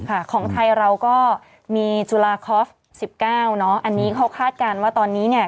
ถูกค่ะของไทยเราก็มีจุฬาคอฟ๑๙อันนี้เขาคาดการณ์ว่าตอนนี้เนี่ย